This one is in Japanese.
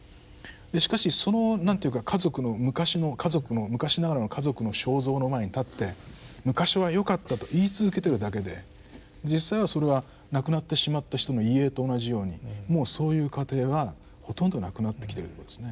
しかしそのなんて言うか家族の昔の家族の昔ながらの家族の肖像の前に立って「昔はよかった」と言い続けてるだけで実際はそれは亡くなってしまった人の遺影と同じようにもうそういう家庭はほとんどなくなってきてるってことですね。